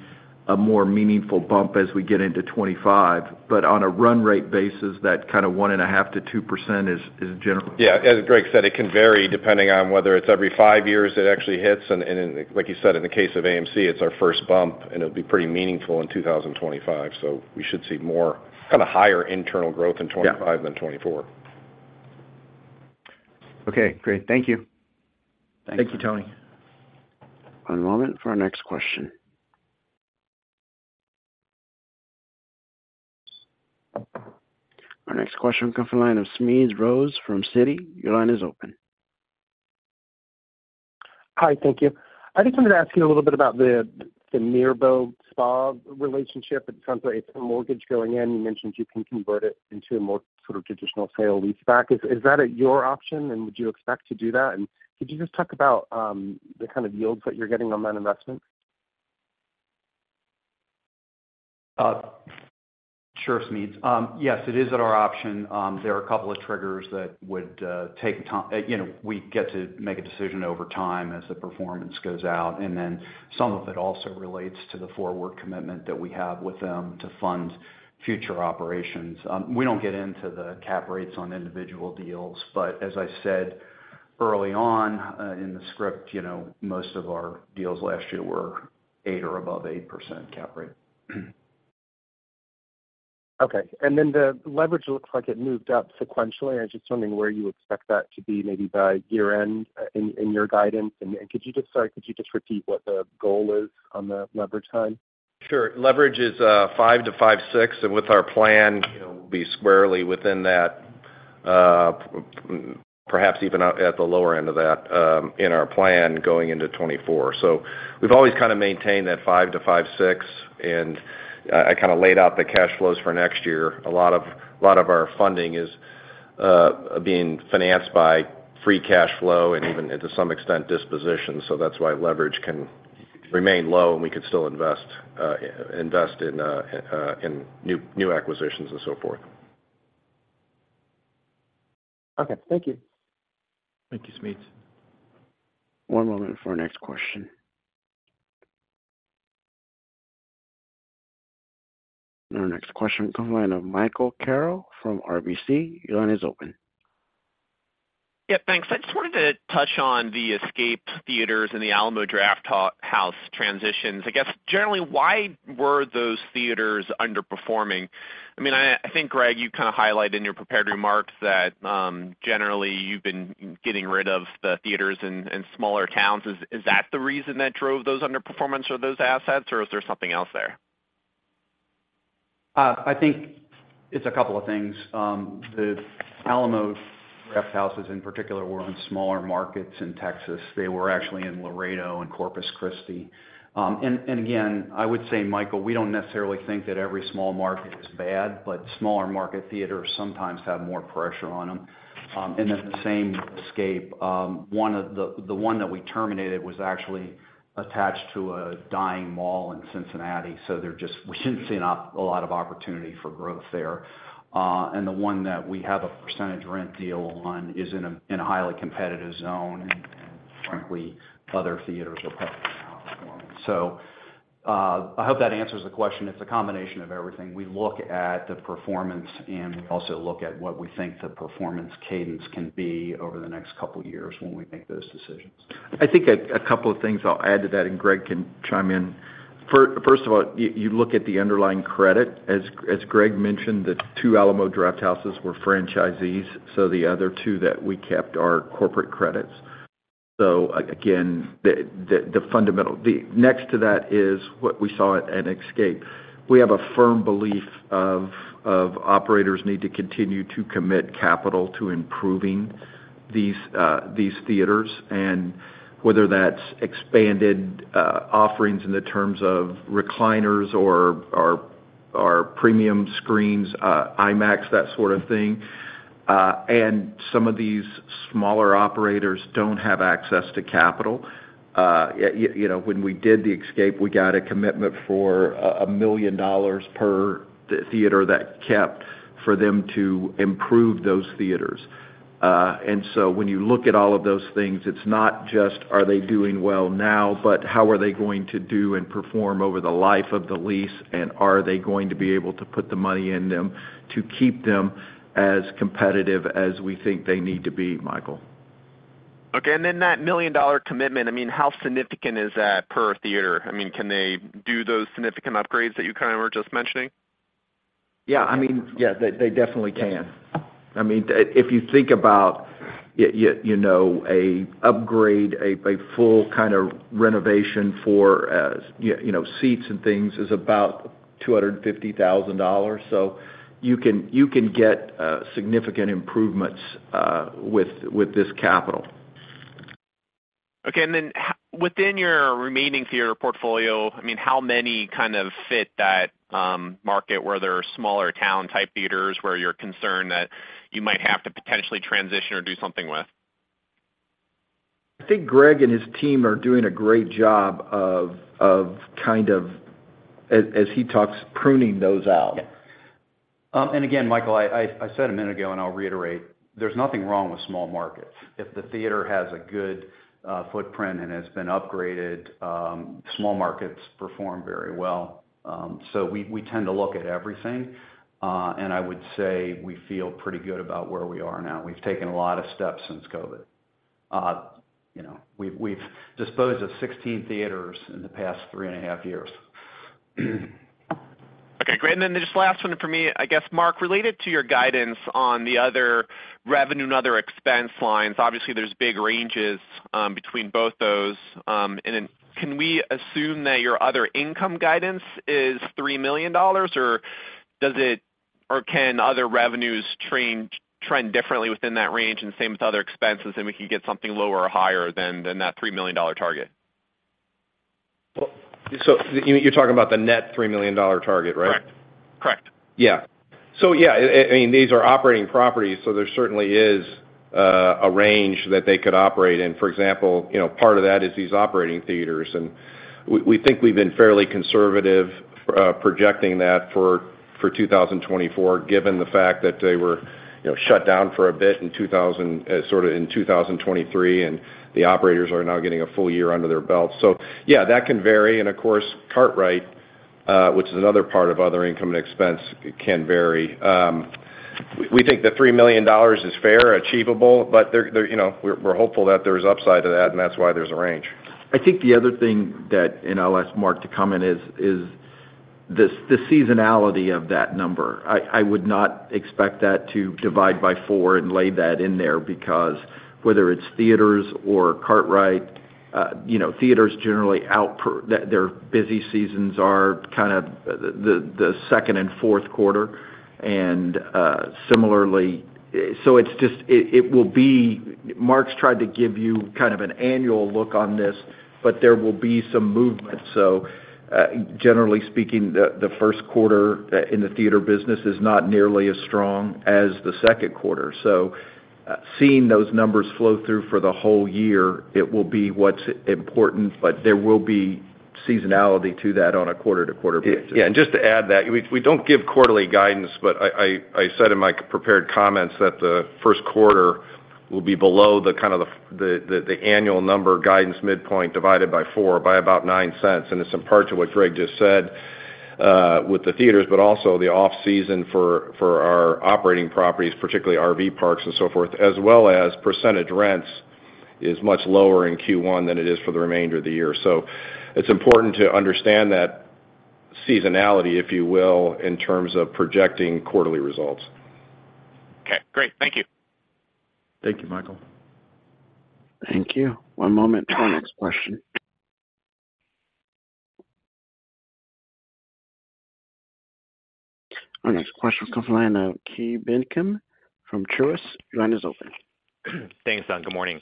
a more meaningful bump as we get into 2025. But on a run-rate basis, that kind of 1.5%-2% is generally. Yeah. As Greg said, it can vary depending on whether it's every five years it actually hits. And like you said, in the case of AMC, it's our first bump, and it'll be pretty meaningful in 2025. So we should see more kind of higher internal growth in 2025 than 2024. Okay. Great. Thank you. Thank you. Thank you, Tony. One moment for our next question. Our next question will come from the line of Smedes Rose from Citi. Your line is open. Hi. Thank you. I just wanted to ask you a little bit about the Mirbeau relationship. It sounds like it's a mortgage going in. You mentioned you can convert it into a more sort of traditional sale-leaseback. Is that at your option, and would you expect to do that? And could you just talk about the kind of yields that you're getting on that investment? Sure, Smedes. Yes, it is at our option. There are a couple of triggers that would take time we get to make a decision over time as the performance goes out. And then some of it also relates to the forward commitment that we have with them to fund future operations. We don't get into the cap rates on individual deals. But as I said early on in the script, most of our deals last year were 8% or above 8% cap rate. Okay. Then the leverage looks like it moved up sequentially. I'm just wondering where you expect that to be maybe by year-end in your guidance. And could you just, sorry. Could you just repeat what the goal is on the leverage time? Sure. Leverage is 5x-5.6x. With our plan, we'll be squarely within that, perhaps even at the lower end of that in our plan going into 2024. So we've always kind of maintained that 5x-5.6x. And I kind of laid out the cash flows for next year. A lot of our funding is being financed by free cash flow and even, to some extent, disposition. So that's why leverage can remain low, and we could still invest in new acquisitions and so forth. Okay. Thank you. Thank you, Smedes. One moment for our next question. Our next question will come from the line of Michael Carroll from RBC. Your line is open. Yeah. Thanks. I just wanted to touch on the Xscape Theatres and the Alamo Drafthouse transitions. I guess, generally, why were those theaters underperforming? I mean, I think, Greg, you kind of highlighted in your preparatory remarks that generally, you've been getting rid of the theaters in smaller towns. Is that the reason that drove those underperformance or those assets, or is there something else there? I think it's a couple of things. The Alamo Drafthouses, in particular, were in smaller markets in Texas. They were actually in Laredo and Corpus Christi. And again, I would say, Michael, we don't necessarily think that every small market is bad, but smaller market theaters sometimes have more pressure on them. And then the same with Xscape. The one that we terminated was actually attached to a dying mall in Cincinnati. So we didn't see a lot of opportunity for growth there. And the one that we have a percentage rent deal on is in a highly competitive zone. And frankly, other theaters are probably outperforming. So I hope that answers the question. It's a combination of everything. We look at the performance, and we also look at what we think the performance cadence can be over the next couple of years when we make those decisions. I think a couple of things. I'll add to that, and Greg can chime in. First of all, you look at the underlying credit. As Greg mentioned, the two Alamo Drafthouses were franchisees, so the other two that we kept are corporate credits. So again, the fundamental next to that is what we saw at Xscape. We have a firm belief of operators need to continue to commit capital to improving these theaters, and whether that's expanded offerings in the terms of recliners or premium screens, IMAX, that sort of thing. And some of these smaller operators don't have access to capital. When we did the Xscape, we got a commitment for $1 million per theater that kept for them to improve those theaters. And so when you look at all of those things, it's not just, "Are they doing well now?" but, "How are they going to do and perform over the life of the lease? And are they going to be able to put the money in them to keep them as competitive as we think they need to be, Michael? Okay. And then that $1 million commitment, I mean, how significant is that per theater? I mean, can they do those significant upgrades that you kind of were just mentioning? Yeah. I mean, yeah, they definitely can. I mean, if you think about an upgrade, a full kind of renovation for seats and things is about $250,000. So you can get significant improvements with this capital. Okay. And then within your remaining theater portfolio, I mean, how many kind of fit that market, whether smaller town-type theaters where you're concerned that you might have to potentially transition or do something with? I think Greg and his team are doing a great job of kind of, as he talks, pruning those out. Again, Michael, I said a minute ago, and I'll reiterate, there's nothing wrong with small markets. If the theater has a good footprint and has been upgraded, small markets perform very well. So we tend to look at everything. And I would say we feel pretty good about where we are now. We've taken a lot of steps since COVID. We've disposed of 16 theaters in the past 3.5 years. Okay. Great. And then just last one for me, I guess, Mark, related to your guidance on the other revenue and other expense lines, obviously, there's big ranges between both those. And can we assume that your other income guidance is $3 million, or can other revenues trend differently within that range and same with other expenses, and we can get something lower or higher than that $3 million target? So you're talking about the net $3 million target, right? Correct. Correct. Yeah. So yeah, I mean, these are operating properties, so there certainly is a range that they could operate in. For example, part of that is these operating theaters. And we think we've been fairly conservative projecting that for 2024, given the fact that they were shut down for a bit sort of in 2023, and the operators are now getting a full year under their belt. So yeah, that can vary. And of course, Kartrite, which is another part of other income and expense, can vary. We think the $3 million is fair, achievable, but we're hopeful that there's upside to that, and that's why there's a range. I think the other thing that and I'll ask Mark to comment is the seasonality of that number. I would not expect that to divide by four and lay that in there because whether it's theaters or karting, theaters generally, their busy seasons are kind of the second and fourth quarter. And similarly, so it will be Mark's tried to give you kind of an annual look on this, but there will be some movement. So generally speaking, the first quarter in the theater business is not nearly as strong as the second quarter. So seeing those numbers flow through for the whole year, it will be what's important, but there will be seasonality to that on a quarter-to-quarter basis. Yeah. And just to add that, we don't give quarterly guidance, but I said in my prepared comments that the first quarter will be below the kind of the annual number guidance midpoint divided by four by about $0.09. And it's in part to what Greg just said with the theaters, but also the off-season for our operating properties, particularly RV parks and so forth, as well as percentage rents is much lower in Q1 than it is for the remainder of the year. So it's important to understand that seasonality, if you will, in terms of projecting quarterly results. Okay. Great. Thank you. Thank you, Michael. Thank you. One moment for our next question. Our next question will come from the line of Ki Bin Kim from Truist. Your line is open. Thanks, guys. Good morning.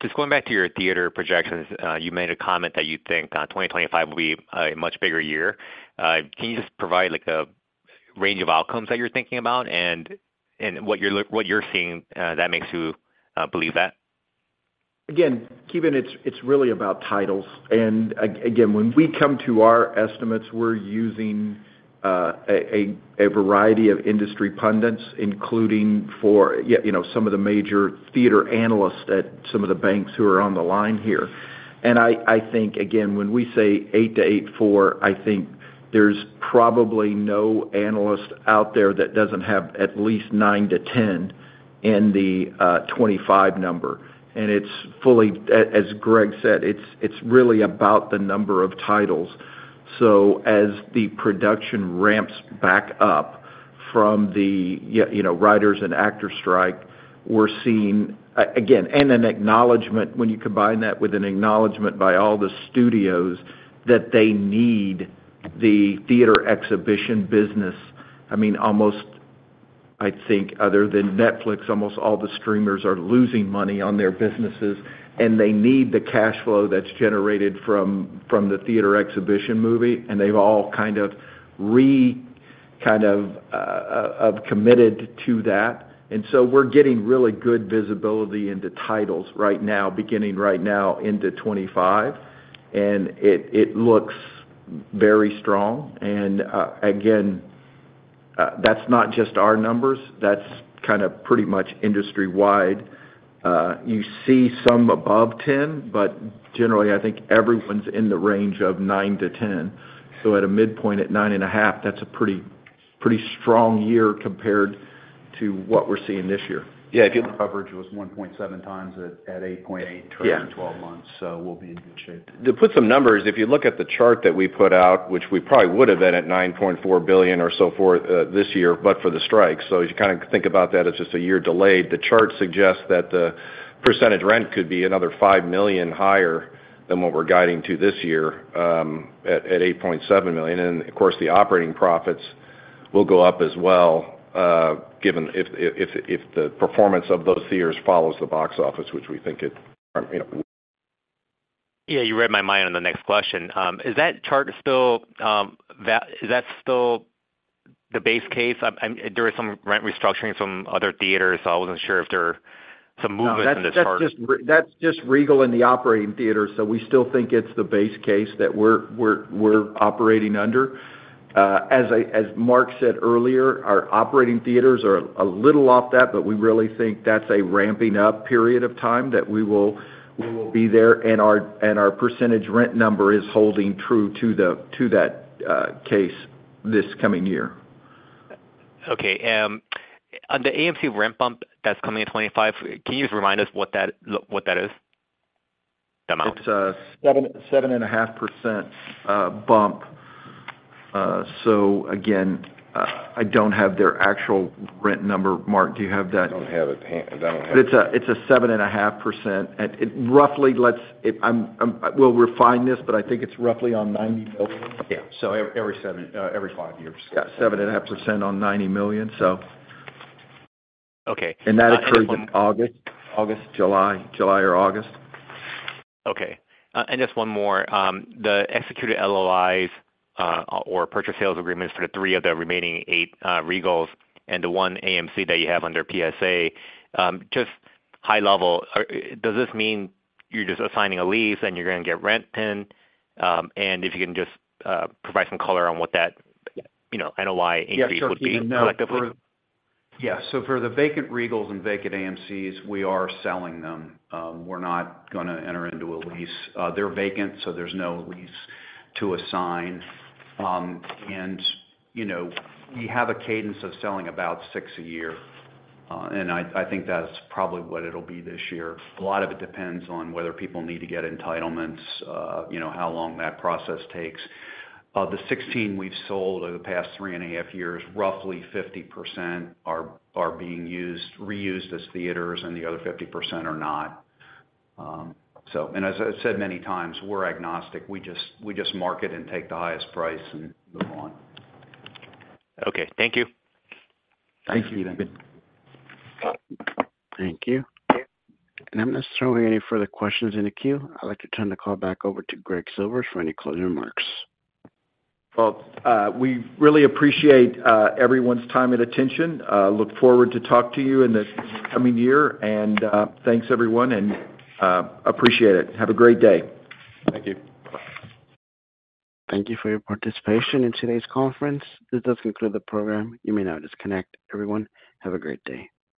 Just going back to your theater projections, you made a comment that you think 2025 will be a much bigger year. Can you just provide a range of outcomes that you're thinking about and what you're seeing that makes you believe that? Again, keep in mind it's really about titles. And again, when we come to our estimates, we're using a variety of industry pundits, including for some of the major theater analysts at some of the banks who are on the line here. And I think, again, when we say $8 billion-$8.4 billion, I think there's probably no analyst out there that doesn't have at least $9 billion-$10 billion in the 2025 number. And as Greg said, it's really about the number of titles. So as the production ramps back up from the writers and actors strike, we're seeing, again, an acknowledgment when you combine that with an acknowledgment by all the studios that they need the theater exhibition business. I mean, almost, I think, other than Netflix, almost all the streamers are losing money on their businesses, and they need the cash flow that's generated from the theater exhibition movie. They've all kind of kind of committed to that. And so we're getting really good visibility into titles right now, beginning right now into 2025. And it looks very strong. And again, that's not just our numbers. That's kind of pretty much industry-wide. You see some above 10, but generally, I think everyone's in the range of 9-10. So at a midpoint at 9.5, that's a pretty strong year compared to what we're seeing this year. Yeah. If you look at the leverage, it was 1.7x at 8.8 during 12 months, so we'll be in good shape. To put some numbers, if you look at the chart that we put out, which we probably would have been at $9.4 billion or so for this year, but for the strikes. So if you kind of think about that as just a year delayed, the chart suggests that the percentage rent could be another $5 million higher than what we're guiding to this year at $8.7 million. And of course, the operating profits will go up as well if the performance of those theaters follows the box office, which we think it. Yeah. You read my mind on the next question. Is that chart still the base case? There is some rent restructuring from other theaters, so I wasn't sure if there are some movements in this chart. That's just Regal and the operating theaters, so we still think it's the base case that we're operating under. As Mark said earlier, our operating theaters are a little off that, but we really think that's a ramping-up period of time that we will be there. Our percentage rent number is holding true to that case this coming year. Okay. On the AMC rent bump that's coming in 2025, can you just remind us what that is, the amount? It's a 7.5% bump. So again, I don't have their actual rent number. Mark, do you have that? I don't have it. I don't have it. But it's a 7.5%. We'll refine this, but I think it's roughly on $90 million. Yeah. So every five years. Yeah. 7.5% on $90 million, so. And that occurred in August, July, or August. Okay. And just one more. The executed LOIs or purchase and sale agreements for the three of the remaining eight Regals and the one AMC that you have under PSA, just high level, does this mean you're just assigning a lease and you're going to get rent pinned? And if you can just provide some color on what that NOI increase would be collectively? Yeah. So for the vacant Regals and vacant AMCs, we are selling them. We're not going to enter into a lease. They're vacant, so there's no lease to assign. And we have a cadence of selling about six a year. And I think that's probably what it'll be this year. A lot of it depends on whether people need to get entitlements, how long that process takes. Of the 16 we've sold over the past 3.5 years, roughly 50% are being reused as theaters, and the other 50% are not. And as I've said many times, we're agnostic. We just market and take the highest price and move on. Okay. Thank you. Thank you, Ki Bin. Thank you. I'm not seeing any further questions in the queue. I'd like to turn the call back over to Greg Silvers for any closing remarks. Well, we really appreciate everyone's time and attention. Look forward to talking to you in the coming year. Thanks, everyone, and appreciate it. Have a great day. Thank you. Bye. Thank you for your participation in today's conference. This does conclude the program. You may now disconnect. Everyone, have a great day.